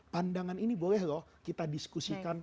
pandangan ini boleh loh kita diskusikan